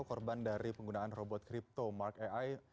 korban dari penggunaan robot crypto mark ai